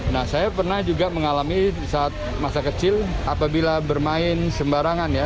nah saya pernah juga mengalami saat masa kecil apabila bermain sembarangan ya